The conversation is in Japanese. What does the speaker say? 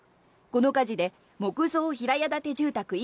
この火事で木造平屋建て住宅